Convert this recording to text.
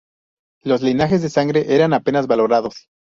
Los linajes de sangre eran apenas valorados.